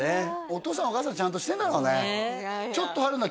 お父さんお母さんちゃんとしてんだろうねちょっと春菜